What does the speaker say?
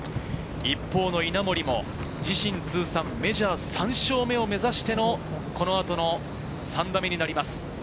一方、稲森も自身通算メジャー３勝目を目指してのこの後の３打目になります。